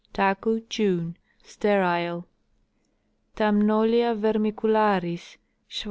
Taku, June. Sterile. Thamnolia verrnicidaris, (Sw.)